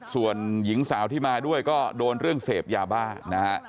ส่วนหญิงสาวที่มาด้วยก็โดนเรื่องเสพยาบ้านะฮะ